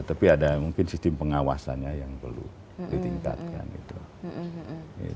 tapi ada mungkin sistem pengawasannya yang perlu ditingkatkan